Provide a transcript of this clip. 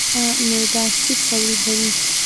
معده اسید تولیدوي.